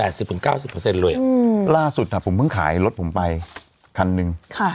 ๘๐๙๐โดยล่าสุดผมเพิ่งขายรถผมไปคันนึง